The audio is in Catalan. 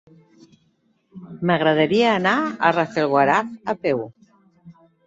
M'agradaria anar a Rafelguaraf a peu.